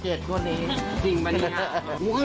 จริงบ้างนี่